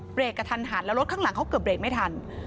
กระทันหันแล้วรถข้างหลังเขาเกือบเบรกไม่ทัน